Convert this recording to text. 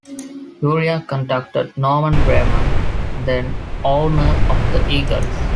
Lurie contacted Norman Braman, then-owner of the Eagles.